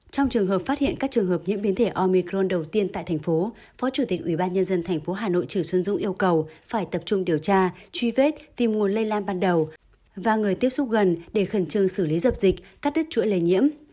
trong trường hợp phát hiện các trường hợp nhiễm biến thể omicron đầu tiên tại thành phố phó chủ tịch ubnd tp hà nội trừ xuân dũng yêu cầu phải tập trung điều tra truy vết tìm nguồn lây lan ban đầu và người tiếp xúc gần để khẩn trương xử lý dập dịch cắt đứt chuỗi lây nhiễm